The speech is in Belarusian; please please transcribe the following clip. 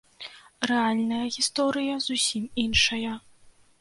Рэальная гісторыя зусім іншая.